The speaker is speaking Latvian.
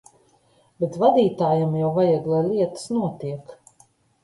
Bet vadītājam jau vajag, lai lietas notiek.